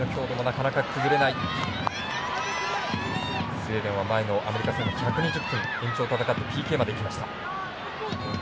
スウェーデンは前のアメリカ戦の１２０分、延長を戦ってＰＫまできました。